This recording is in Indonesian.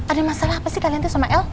ada masalah apa sih kalian itu sama el